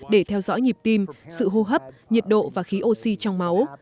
để theo dõi nhịp tim sự hô hấp nhiệt độ và khí oxy trong máu